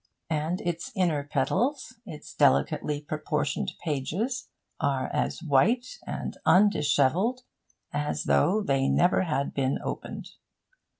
And its inner petals, its delicately proportioned pages, are as white and undishevelled as though they never had been opened.